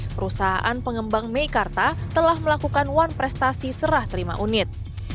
perusahaan pengembang meikarta telah melakukan wan prestasi serah terima unit